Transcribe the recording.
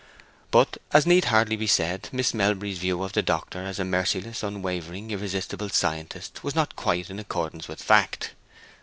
But, as need hardly be said, Miss Melbury's view of the doctor as a merciless, unwavering, irresistible scientist was not quite in accordance with fact.